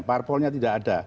parpolnya tidak ada